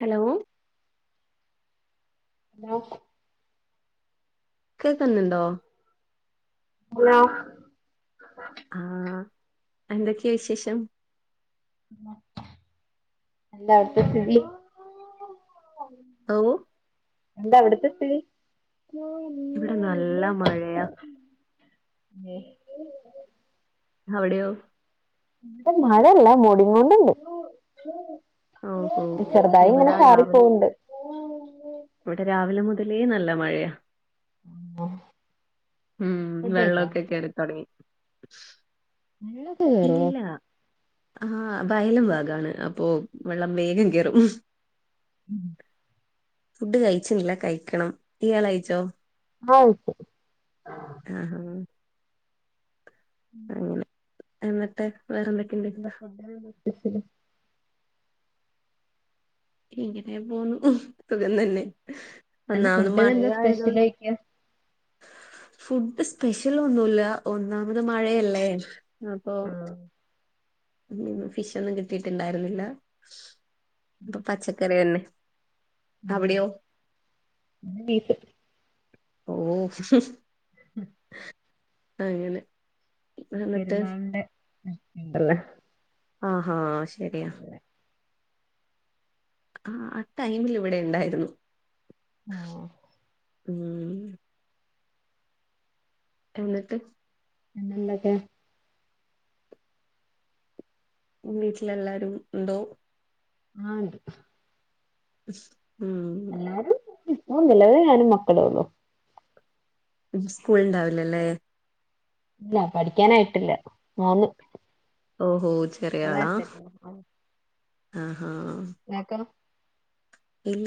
Hello [unintelligible] കേക്ന്നൊണ്ടോ hello ആഹ് എന്തക്കെയാ വിശേഷം എന്താ അവിടത്തെ സ്ഥിതി ഓ എന്താവിടത്തെ സ്ഥിതി ഇവിട നല്ല മഴയാ [unintelligible] അവിടയോ ഇവിടെ മഴല്ല മോടിന്നോണ്ട്ണ്ട് ഓഹോ ഇവിടാ രാവിലെ പോവ്ണ്ട് ഇവിടെ രാവിലെ മുതലേ നല്ല മഴയ [unintelligible] ഉം ഫുഡഴിച്ചോ വെള്ളൊക്കെ കേറി തുടങ്ങി [unintelligible] ഇല്ല ആഹ് വയലും വാഗാണ് അപ്പൊ വെള്ളം വേഗം കേറും ഉം ഫുഡ് കഴിച്ചനില്ല കഴിക്കണം ഇയാൾ കയിച്ചോ [unintelligible] ആഹാ അങ്ങനെ എന്നിട്ട് വേറെന്തെ [unintelligible] ഇങ്ങനെ പോന്നു സുഖം തന്നെ അല്ല ഒന്നാമത് ഫുഡിനെന്താ മഴയായതോ സ്പെഷ്യലോയ്ക്കാ ഫുഡ് സ്പെഷ്യൽ ഒന്നുല്ല ഒന്നാമത് മഴയല്ലേ അപ്പൊ ആഹ് ഫിഷ് ഒന്നും കിട്ടിട്ടുണ്ടാരുന്നില്ല അപ്പൊ പച്ചക്കറി തന്നെ അവിടെയൊ ബീഫ് ഓ ഉം അങ്ങനെ എന്നിട്ട് പെരുന്നാളിന്റെ [unintelligible] അല്ലെ ആഹാ ശരിയാ ആഹ് ആഹ് ടൈമിൽ ഇവിടെ ഇണ്ടായിരുന്നു ഓ ഉം എന്നിട്ട് എന്തല്ലാക്കെ വീട്ടിലെല്ലാരും ഉണ്ടോ ആഹ് ണ്ട് [unintelligible] എല്ലാരും ഇപ്പൊ നിലവിൽ ഞാനും മക്കളേ ഉള്ളു ന്ന് സ്കൂൾ ഉണ്ടാവില്ലല്ലേ ഇല്ല പഠിക്കാനായിട്ടില്ല മോന് ഓഹോ ചെറിയ മൂന്ന് ആളാ വയസ്സായിട്ടുള്ളൂ ആഹ് [unintelligible] ഇല്ല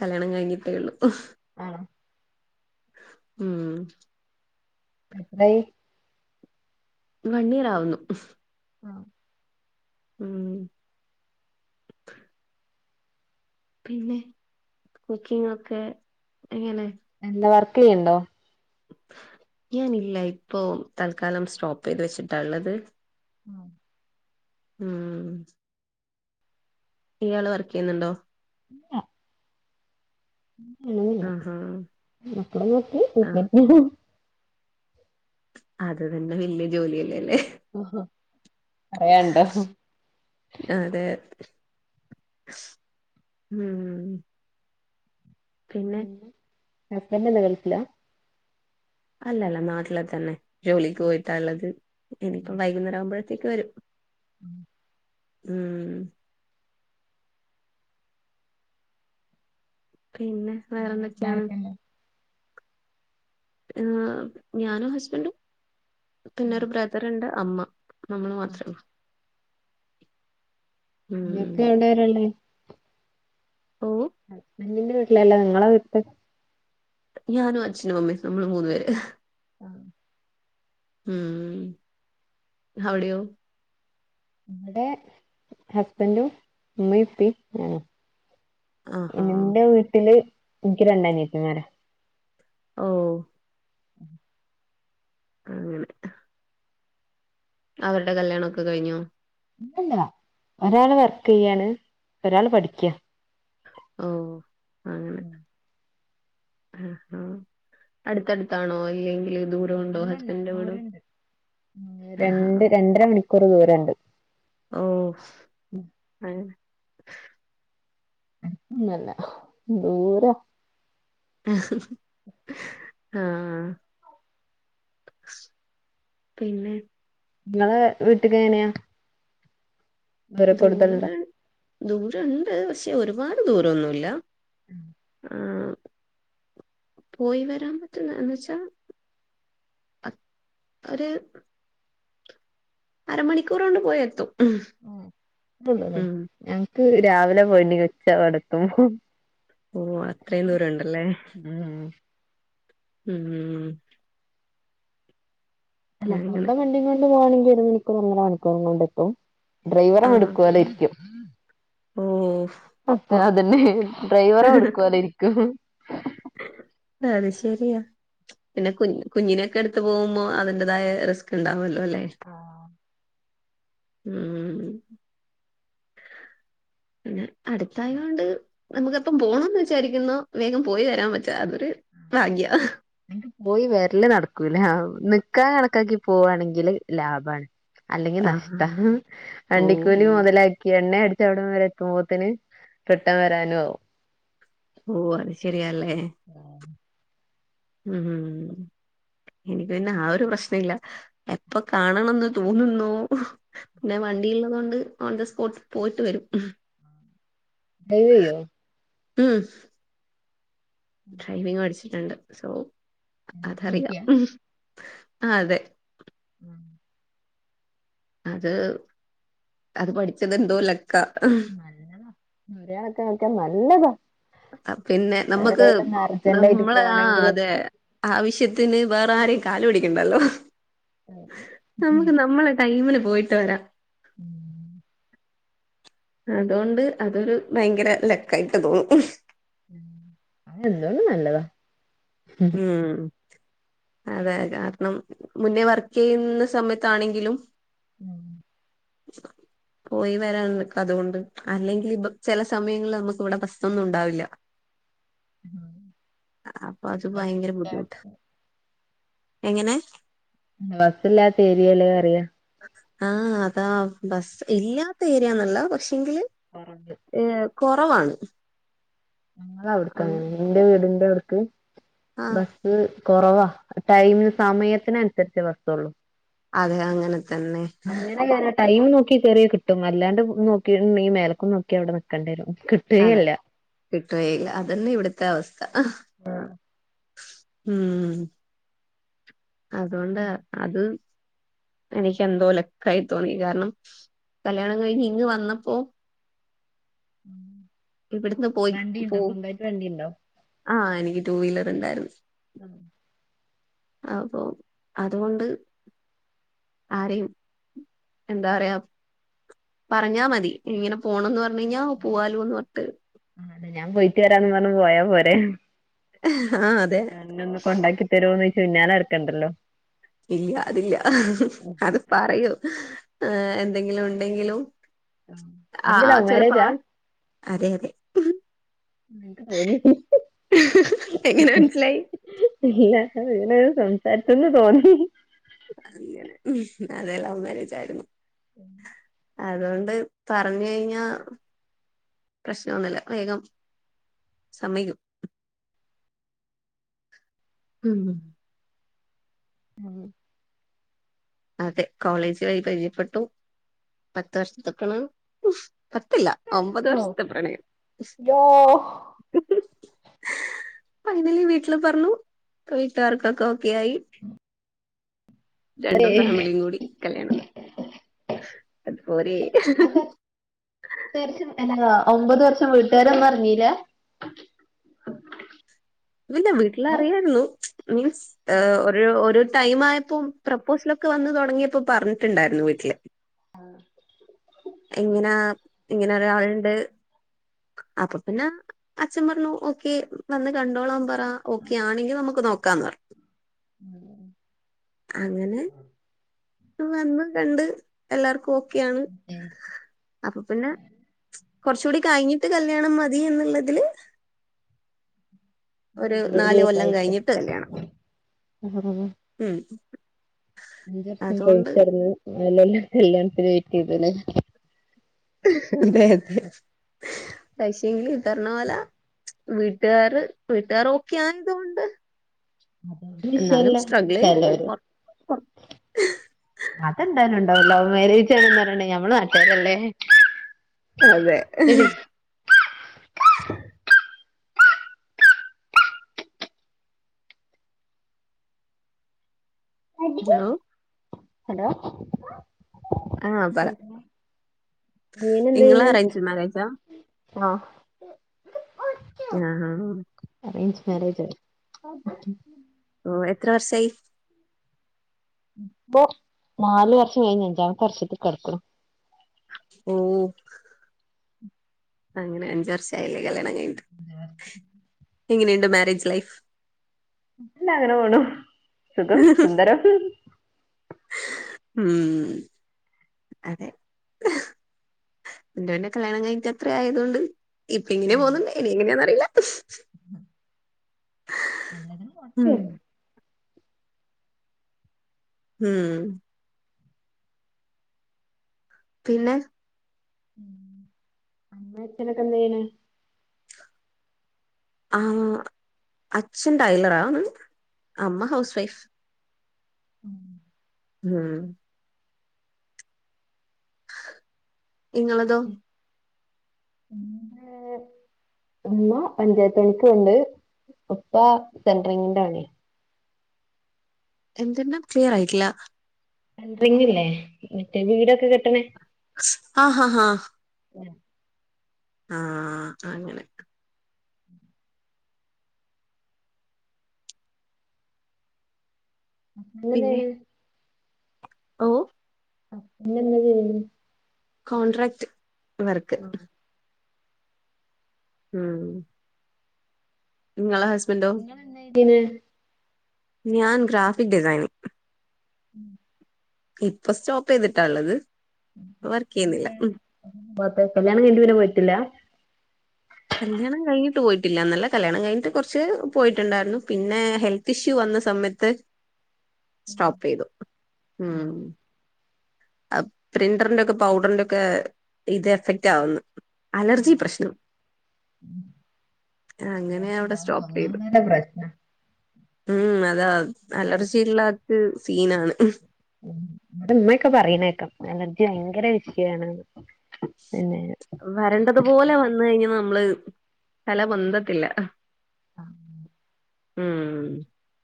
കല്യാണം കഴിഞ്ഞിട്ടേ ഉള്ളൂ ആണോ ഉം എത്രായി വണ്ണിയറാവുന്നു ആഹ് ഉം പിന്നെ കുക്കിംഗ് ഒക്കെ എങ്ങനെ എന്താ വർക്ക് ചെയ്യ്ണ്ടോ ഞാനില്ല ഇപ്പൊ തൽക്കാലം സ്റ്റോപ്പ് ചെയ്ത് വെച്ചിട്ടാള്ളത് ആഹ് ഉം ഇയാള് വർക്കെയ്യുന്നുണ്ടോ അഹ് ആഹാ ആഹ് [unintelligible] അത് തന്നെ വല്യ ജോലിയല്ലേല്ലെ പറയാണ്ടോ അതെ അതേ ഉം പിന്നെ ഹസ്ബെന്റെന്താ ഗൾഫിലാ അല്ലല്ല നാട്ടില് തന്നെ ജോലിക്ക് പോയിട്ടാള്ളത് ഇനിപ്പ വൈകുന്നേരം ആവുമ്പഴത്തേക്ക് വരും ഉം ഉം പിന്നെ വേറെന്തെക്കെയാണ് ആഹ് ഞാനും ഹസ്ബന്റും പിന്നൊരു ബ്രദറ്ണ്ട് അമ്മ നമ്മള് മാത്രള്ളൂ ഇങ്ങക്ക് അവിടാരള്ളേ ഓഹ് നിങ്ങന്റെ വീട്ടിലല്ല നിങ്ങളെ വീട്ട് ഞാനും അച്ഛനും അമ്മേം നമ്മള് മൂന്ന് പേര് ആഹ് ഉം അവിടയോ ഇവടെ ഹസ്ബന്റും ഉമ്മിം ഉപ്പിം ഞാനും ആഹാ എന്റെ വീട്ടില് എനിക്ക് രണ്ടനിയത്തിമാരാ ഓഹ് അങ്ങനെ അവർടെ കല്യാണൊക്കെ കഴിഞ്ഞൂ ഇല്ലല്ലാ ഒരാള് വർക്കെയ്യാണ് ഒരാള് പഠിക്കാ ഓഹ് അങ്ങനെ ഉം ആഹ് അടുത്തടുത്താണോ അല്ലെങ്കില് ദൂരഉണ്ടോ അല്ലല്ല ഹസ്ബന്റെ വീട് ദൂരണ്ട് രണ്ട് രണ്ടര മണിക്കൂർ ദൂരൊണ്ട് ഓഹ് അഹ് ഉം ഇല്ല്യല്ല ദൂരാ ആഹ് പിന്നെ ഇങ്ങളെ വീട്ട്ക്ക് എങ്ങനെയാ ദൂര കൂടുതലുണ്ടോ ദൂരൺ ദൂരണ്ട് പക്ഷേ ഒരുപാട് ദൂരോന്നുല്ലാ ഉം ആഹ് പോയ് വരാൻ പറ്റുന്ന എന്നൂച്ചാ അത് ഒര് അരമണിക്കൂറോണ്ട് പോയ്എത്തും ആഹ് ഞങ്ങ്ക്ക് രാവിലെ പോണി ഉച്ച അവടെത്തും ഓ അത്രയും ദൂരം ഉണ്ടല്ലേ ഉം ഉം അല്ല അങ്ങനെ സ്വന്തം വണ്ടി കൊണ്ട് പോവാണെങ്കി ഒരു മണിക്കൂർ ഒന്നര മണിക്കൂറും കൊണ്ട് എത്തും ഡ്രൈവറെ ആഹാ മിടുക്കോലെ ഇരിക്കും ഓ അപ്പ അതന്നെ ഡ്രൈവറെ മിടുക്കോലെ ഇരിക്കും അത് ശെരിയാ പിന്നെ കു കുഞ്ഞിനൊക്കെ ഇട്ത്ത് പോവുമ്പോ അതിന്റതായ റിസ്ക് ഇണ്ടാവൊല്ലോ ല്ലേ ഉം പിന്നെ അടുത്തായൊണ്ട് നമുക്കെപ്പം പോണംന്ന് വിചാരിക്കുന്നോ വേഗം പോയി വരാൻ പറ്റും അതൊരു ഭാഗ്യാ പോയി വരല് നടക്കൂലാ നിക്കാ കണക്കാക്കി പോവാണെങ്കില് ലാബാണ് അല്ലെങ്കി ആഹ് നഷ്ട്ടാ ഓ വണ്ടിക്കൂലി മൊതലായി എണ്ണ അടിച്ച് അവിടംവരെ എത്തുമ്പോത്ത്ന് റിട്ടം വരാനും ആകും ഓ അത് ശെരിയല്ലേ ഉം ഉം ഇനിക്ക് പിന്നെ ആ ഒരു പ്രശ്ന ഇല്ല എപ്പൊ കാണണംന്ന് തോന്നുന്നുവോ പിന്നെ വണ്ടിള്ളതൊണ്ട് ഓൺത സ്പോട്ട് പോയിട്ട് വരും ഡ്രൈവ് യ്യൊ ഉം ഡ്രൈവിങ് പഠിച്ചിട്ടുണ്ട് സോ അതറിയാം സ്കൂട്ടിയാ ഉം അതെ ഉം അത് അത് പഠിച്ചത് എന്തോ ലക്ക നല്ലതാ ഒര് കണക്കിനതൊക്കെ നല്ലതാ അഹ് പിന്നെ നമ്മക്ക് എവിടെലും അർജന്റ് ആയിട്ട് നമ്മളെ ആഹ് അതെ പോണെങ്കിലൊക്കെ ആവശ്യത്തിന് വേറെ ആരെയും കാല് പിടിക്കണ്ടല്ലോ നമുക്ക് നമ്മളെ ടൈമില് പോയിട്ട് വരാം [inaudible] അതോണ്ട് അതൊരു ഭയങ്കര ലക്കായിട്ട് തോന്നും ഉം അത് എന്തോണ്ടും നല്ലതാ ഉം ഉം അതെ അതാ കാരണം മുന്നേ വർക്ക് ചെയ്യുന്ന സമയത്താണെങ്കിലും ഉം [unintelligible] പോയി വരാ നിക്ക അതുകൊണ്ട് അല്ലെങ്കിൽ ബ ചെല സമയങ്ങളിൽ നമുക്ക് ഇവിടെ ബസ്സൊന്നും ഉണ്ടാവില്ല [unintelligible] ട്ട് ഭയങ്കര ബുദ്ധിമുട്ടാ എങ്ങനെ ബസ്സില്ലാത്തഏരിയല്ലേ പറയ ആഹ് അതാ ബസ്സ് ഇല്ലാത്ത ഏരിയ ന്നല്ല പക്ഷെങ്കില് കൊറവ് ഏഹ് കൊറവാണ് ഞങ്ങളവ്ട്ക്കങ്ങനെ ഇന്റെ വീടിന്റെ അവിട്ക്ക് ആ ബസ് ഉം കൊറവാ ടൈമിന് സമയത്തിനനുസരിച്ച് ബസ്സോള്ളു അതെ അങ്ങനെ തന്നെ അങ്ങനെ കേരാ ടൈം നോക്കി കേറിയ കിട്ടും അല്ലാണ്ട് നോക്കി മേ മേലക്കും നോക്കി അവടെ നിക്കേണ്ടേരും അതെ കിട്ടുകയില്ല അതന്നെ ഇവിടുത്തെ അവസ്ഥ ഉം അതൊണ്ട അത് എനിക്ക് എന്തോ ലക്കായി തോന്നി കാരണം കല്യാണം കഴിഞ്ഞ് ഇങ്ങ് വന്നപ്പോ ഇവിടുന്ന് പോയി പോ വണ്ടിണ്ടോ സ്വന്തായിട്ട് വണ്ടിണ്ടോ ആഹ് എനിക്ക് ടൂ വീലറ്ണ്ടായിരുന്നു അപ്പൊ അതുകൊണ്ട് ആരെയും എന്താറയാ പറഞ്ഞാ മതി ഇങ്ങനെ പോണന്ന് പറഞ്ഞ്കഴിഞ്ഞാല പോവാലോന്ന് പർഞ്ഞ്ട്ട് അതെ ഞാൻ പോയിട്ട് വരാന്ന് പറഞ്ഞ് പോയാ പോരെ ആഹ് അതെ എന്നൊന്ന് കൊണ്ടാക്കി തരോന്നോയ് ച്ച് പിന്നാലെ നടക്കണ്ടാല്ലോ ഇല്ല അതില്ല അത് പറയൊ എന്തെങ്കിലും ഉണ്ടെങ്കിലും നിങ്ങൾത് ആഹ്‌ ലവ് ചിലപ്പോ മാരേജാ ആൾ അതെ അതെ ഉം ഇന്ക് തോന്നി എങ്ങനെ മനസ്സിലായി ഇല്ല ഇങ്ങനെ സംസാരിചെന്ന് തോന്നി അങ്ങനെ, അതെ ലൗ മേരേജായിരുന്നു അതോണ്ട് പറഞ്ഞു കഴിഞ്ഞാ പ്രശ്നൊന്നുല്ല വേഗം സമ്മയ്ക്കും ഉം ഉം അതെ, കോളേജ് വഴി പരിചയപ്പെട്ടു പത്ത് വർഷത്തെ പ്രണയം പത്തില്ല. ഒമ്പത് വർഷത്തെ പ്രണയം മ്ഹ് ഫൈനലി വീട്ടില് പർഞ്ഞു വീട്ടുകർക്കൊക്കെ ഓക്കെ ആയി രണ്ടു എട്ട് ഫാമിലിയും കൂടി കല്യാണം നടത്തി, അതുപോരേ ത്ത് വർഷം എന്താ ഒമ്പത് വർഷം വീട്ടുകാരൊന്നും അർഞ്ഞീല ഇല്ല വീട്ടിലറിയൊള്ളൂ മീൻസ് ഒരു ഒരു ടൈമായപ്പം പ്രപ്പോസൽ ഒക്കെ വന്ന് തൊടങ്ങിയപ്പ പറഞ്ഞിട്ടുണ്ടായിരുന്നു വീട്ടില് ആഹ് ഇങ്ങനാ ഇങ്ങനൊരാളുണ്ട് അപ്പൊ പിന്നാ അച്ഛൻ പറഞ്ഞു ഓക്കെ വന്ന് കണ്ടോളാൻ പറ ഓക്കെ ആണെങ്കിൽ നമുക്ക് നോക്കാന്ന് പറഞ്ഞു അങ്ങനെ വന്ന് കണ്ട് എല്ലാർക്കും ഓക്കെയാണ് അപ്പ പിന്നെ കൊർച്ചൂടി കഴിഞ്ഞിട്ട് കല്യാണം മതി എന്നുള്ളതില് ആ ഒരു നാല് ജോലിയൊക്കെ കൊല്ലം ആയിട്ട് കഴിഞ്ഞിട്ട് കല്യാണം ഉം അഞ്ച് വർഷം അതുകൊണ്ട് പ്രേമിച്ച് നടന്നു മൂന്ന് കൊല്ലം കല്യാണത്തിന് വെയിറ്റ് ചെയ്ത് ലേ അതെ അതെ പക്ഷെങ്കില് ഈ പർഞ്ഞ പോല വീട്ടുകാര് വീട്ടുകാർ ഓക്കെയായതുകൊണ്ട് അത് വിഷയല്ല ചെയ്തിന് ചെലോര് അതെന്താലും ഉണ്ടാവല്ലോ ലൗമേരേജ് പറഞ്ഞാ ഞമ്മള നാട്ടാരല്ലേ അതെ ഹലോ ഹലോ ആഹ് പറ പിന്ന നിങ്ങള് മീനെന്തായ്യണേ അറേഞ്ച് മാരേജാ ആഹ്‌ [inaudible] അറേഞ്ച് മാരേജായിരുന്നു ഓ എത്ര വർഷായി പ്പോ നാല് വർഷം കഴിഞ്ഞ് അഞ്ചാമത്തെ വർഷത്തിൽ കട്ക്ക്ണ് ഓഹ്‌ അങ്ങനെ അഞ്ച് വർഷായില്ലേ കല്യാണം കഴിഞ്ഞിട്ട് എങ്ങനെയുണ്ട് മാരേജ് ലൈഫ് എന്താങ്ങനെ പോണു സുഖം സുന്ദരം ഉം അതെ എന്റെ പിന്നെ കല്യാണം കഴിട്ഞ്ഞിട്ട് അത്ര ആയതുകൊണ്ട് ഇപ്പിങ്ങനെ പോന്നൊണ്ട് ഇനി എങ്ങനെയാന്നറിയില്ല നല്ലതിന് പോട്ടെ ഉം പിന്നെ അമ്മ അച്ചനൊക്കെ എന്ത് ചെയ്യണ് ആഹ് അച്ഛൻ ടൈലറാണ് അമ്മ ഹൗസ് വൈഫ് ഉം ഉം നിങ്ങളതോ എന്റെ ഉമ്മ പഞ്ചായത്ത് പണിക്ക് പോണ്ണ്ട് ഉപ്പ സെൻട്രിങ്ങിന്റെ പണി എന്ത്‌ന്ന ക്ലിയറായിട്ടില്ല ഹെൻട്രിങ്ങില്ലേ മറ്റേ വീടൊക്കെ കെട്ടണേ ആഹ് ആഹ് ആഹ് ആഹ് അങ്ങനെ ഹസ്ബന്റ് എന്താ ചെയ്യണേ ഓഹ് ഹസ്ബന്റ് എന്താ ചെയ്യുന്നെ കോൺട്രാക്ട് വർക്ക് ഉം നിങ്ങളെ ഹസ്ബന്റോ ഡിന്നെ ഞാൻ ഗ്രാഫിക് ഡിസൈനിംങ്ങ് ഉം ഇപ്പ സ്റ്റോപ്പ് ചെയ്തിട്ടാ ഉള്ളത് വർക്ക് ചെയ്യുന്നില്ല ഉം [unintelligible] കല്യാണം കഴിഞ്ഞിട്ട് പിന്നെ പോയിട്ടില്ല കല്യാണം കഴിഞ്ഞിട്ട് പോയിട്ടില്ല എന്നല്ല കല്യാണം കഴിഞ്ഞിട്ട് കൊറച്ച് പോയിട്ടുണ്ടാരുന്നു പിന്നെ ഹെൽത് ത്തിഷ്യു വന്ന സമയത്ത് സ്റ്റോപ്പ് ചെയ്തു ഉം അഹ് പ്രിന്ററിന്റോക്കെ പൗഡറിന്റോക്കെ ഇത് എഫക്റ്റ് ആവുന്നു അലർജി പ്രശ്നം അങ്ങനെ അവിടെ സ്റ്റോപ്പ് ചെയ്തു ഉം അതാ അലർജിള്ളാക്ക് സീനാണ് ഉം നമ്മുടെ ഉമ്മെക്കെ പറയുന്നകേക്കാം അലർജി ഭയങ്കര വിഷയാണെന്ന് പിന്നെ വരണ്ടതു പോലെ വന്ന് കഴിഞ്ഞ നമ്മള് തല പൊന്തത്തില്ല ആഹ് ഉം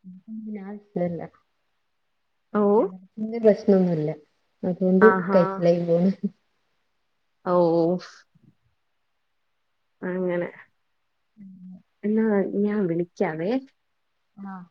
എനിക്ക് പിന്നെഅഹ് ഇഷ്ടവല്ല ഓ എല്ലാത്തിന്റേം പ്രശ്നൊന്നുവില്ല അതുകൊണ്ട് ആഹാ കൈച്ചിലായി പോന്നു ഓഹ് ഓഹ് അങ്ങനെ എന്നാ ഞാൻ വിളിക്കാവേ ആഹ്